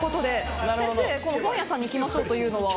先生、本屋さんに行きましょうというのは？